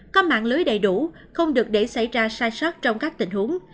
có mạng lưới đầy đủ không được để xảy ra sai sót trong các tình huống